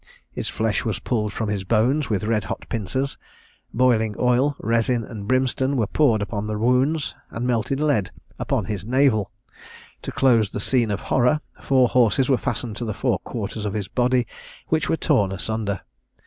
His flesh was pulled from his bones with red hot pincers; boiling oil, resin, and brimstone, were poured upon the wounds, and melted lead upon his navel. To close the scene of horror, four horses were fastened to the four quarters of his body, which were torn asunder.